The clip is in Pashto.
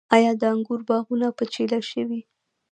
آیا د انګورو باغونه په چیله شوي؟